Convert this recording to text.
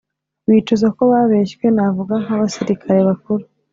bicuza ko babeshywe. Navuga nk'abasilikari bakuru